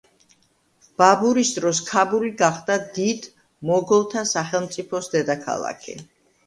ბაბურის დროს ქაბული გახდა დიდ მოგოლთა სახელმწიფოს დედაქალაქი.